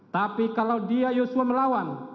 tapi kalau dia yosua melawan